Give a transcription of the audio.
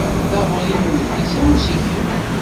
Taɣuri n udlis am ussikel.